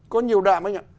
có nhiều đạm anh ạ